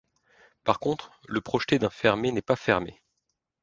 Par contre, le projeté d'un fermé n'est pas fermé.